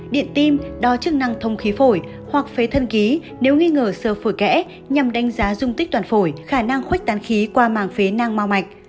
điện tim đo chức năng thông khí phổi hoặc phế thân ký nếu nghi ngờ sơ phổi kẽ nhằm đánh giá dung tích toàn phổi khả năng khuếch tán khí qua màng phế nang mau mạch